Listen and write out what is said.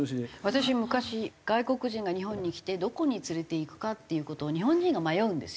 私昔外国人が日本に来てどこに連れていくかっていう事を日本人が迷うんですよね。